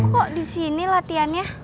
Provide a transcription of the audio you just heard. kok disini latiannya